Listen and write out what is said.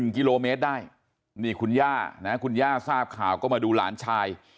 กิโลเมตรได้นี่คุณย่านะคุณย่าทราบข่าวก็มาดูหลานชาย